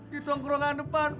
dituang ke ruangan depan